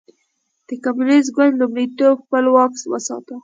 د کمونېست ګوند لومړیتوب خپل واک وساتي.